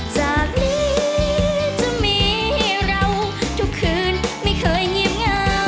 จากนี้จะมีเราทุกคืนไม่เคยเงียบเหงา